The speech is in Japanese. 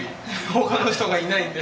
他の人がいないんで。